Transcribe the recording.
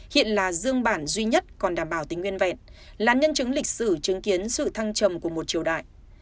hiện là dương bản duy nhất còn đảm bảo tính nguyên vẹn là nhân chứng lịch sử chứng kiến sự thăng trầm của một triều đại